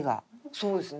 そうですね。